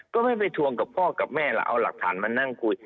ก็ไม่ไปทวงกับพ่อกับแม่ล่ะเอาหลักฐานมานั่งคุย